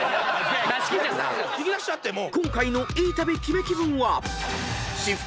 ［今回のいい旅・キメ気分は］